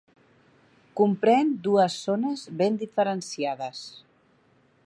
Comprèn dues zones ben diferenciades.